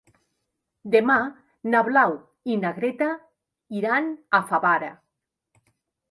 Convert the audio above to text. Demà na Blau i na Greta iran a Favara.